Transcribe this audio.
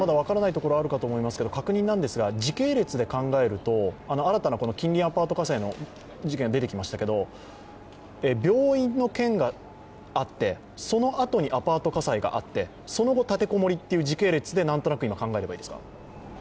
ところあると思いますが、確認ですが、時系列で考えると新たな近隣アパート火災の事件が出てきましたけど、病院の件があって、そのあとにアパート火災があって、その後、立て籠もりという時系列でなんとなく今、考えればいいですか？